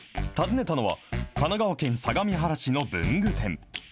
訪ねたのは、神奈川県相模原市の文具店。